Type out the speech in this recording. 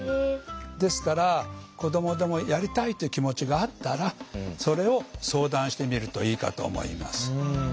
ですから子どもでもやりたいという気持ちがあったらそれを相談してみるといいかと思います。